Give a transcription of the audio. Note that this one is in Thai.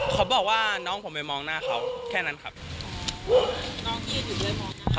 เขาบอกว่าน้องผมไปมองหน้าเขาแค่นั้นครับน้องที่ยืนอยู่ด้วยมองหน้าเขา